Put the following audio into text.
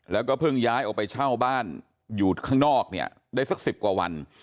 แล้วก็เพิ่งย้ายออกไปเช่าบ้านอยู่ข้างนอกเนี่ยได้สัก๑๐กว่าวัน